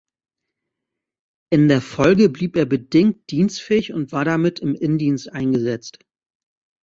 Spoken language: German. In der Folge blieb er „bedingt dienstfähig“ und war damit im Innendienst eingesetzt.